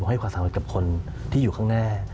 ให้ความสำคัญกับคนที่อยู่ข้างหน้า